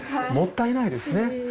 もったいないですね。